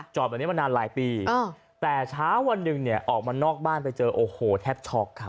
แบบนี้มานานหลายปีแต่เช้าวันหนึ่งเนี่ยออกมานอกบ้านไปเจอโอ้โหแทบช็อกครับ